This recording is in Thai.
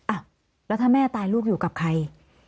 อ่ะแล้วถ้าแม่ตายลูกอยู่กับใคร